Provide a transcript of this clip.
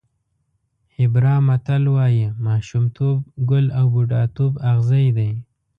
هېبرا متل وایي ماشومتوب ګل او بوډاتوب اغزی دی.